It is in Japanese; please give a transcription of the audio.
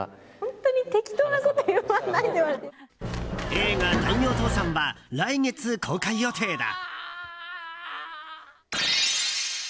映画「大名倒産」は来月公開予定だ。